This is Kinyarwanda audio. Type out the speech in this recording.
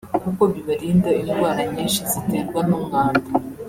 kuko bibarinda indwara nyinshi ziterwa n’umwanda